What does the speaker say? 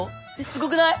すごくない！？